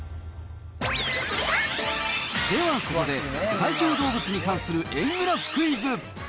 ではここで、最強動物に関する円グラフクイズ。